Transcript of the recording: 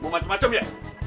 mau macem macem ya